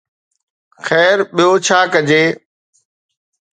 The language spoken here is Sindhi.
خير، ٻيو ڇا ڪجي؟